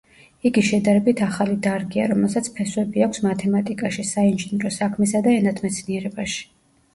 იგი შედარებით ახალი დარგია, რომელსაც ფესვები აქვს მათემატიკაში, საინჟინრო საქმესა და ენათმეცნიერებაში.